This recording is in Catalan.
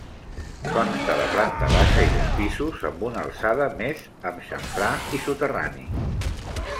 Consta de planta baixa i dos pisos amb una alçada més amb xamfrà i soterrani.